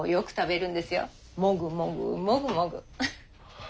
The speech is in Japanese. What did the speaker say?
もぐもぐもぐもぐ。